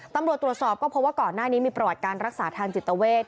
ตำรวจตรวจสอบก็พบว่าก่อนหน้านี้มีประวัติการรักษาทางจิตเวท